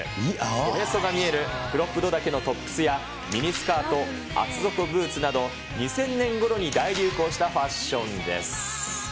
おへそが見えるクロップド丈のトップスや、ミニスカート、厚底ブーツなど、２０００年ごろに大流行したファッションです。